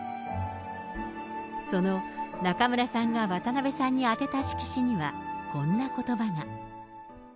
その中村さんが渡辺さんに宛てた色紙には、こんなことばが。